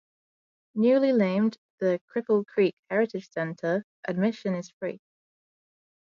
Newly named the Cripple Creek Heritage Center, admission is free.